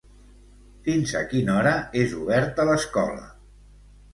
Fins a quina hora és oberta l'escola?